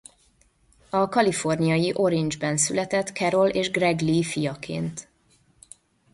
A kaliforniai Orenge-ben született Carol és Greg Lee fiaként.